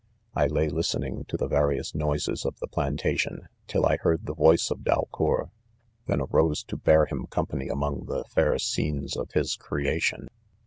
I lay listening to the various noises of the plantation tilLMieard the voice of Dal cour, then arose to bear him company among the fair scenes of his creation.